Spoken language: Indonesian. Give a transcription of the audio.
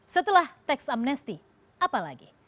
setelah teks amnesti apa lagi